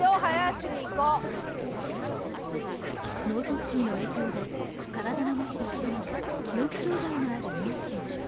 脳卒中の影響で体のまひだけでなく記憶障がいもある宮路選手。